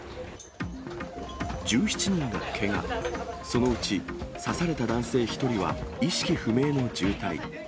１７人がけが、そのうち刺された男性１人は意識不明の重体。